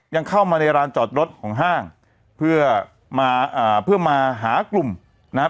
ยังเข้ามาในร้านจอดรถของห้างเพื่อมาอ่าเพื่อมาหากลุ่มนะครับ